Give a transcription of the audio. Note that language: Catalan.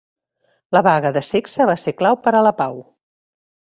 La vaga de sexe va ser clau per a la pau.